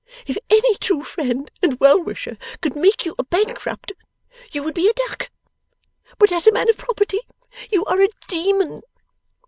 If any true friend and well wisher could make you a bankrupt, you would be a Duck; but as a man of property you are a Demon!